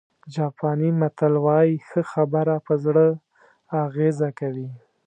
جاپاني متل وایي ښه خبره په زړه اغېزه کوي.